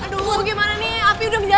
perlu untuk berterusan dan tahan umpama